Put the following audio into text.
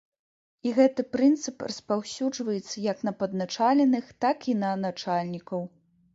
І гэты прынцып распаўсюджваецца як на падначаленых, так і на начальнікаў.